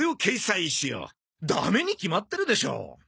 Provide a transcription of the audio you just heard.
ダメに決まってるでしょ！